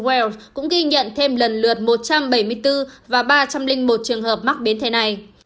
new wales cũng ghi nhận thêm lần lượt một trăm bảy mươi bốn và ba trăm linh một trường hợp mắc đến thế này